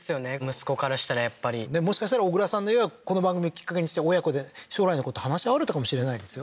息子からしたらやっぱりでもしかしたら小椋さんの家はこの番組をきっかけにして親子で将来のこと話し合われたかもしれないですよ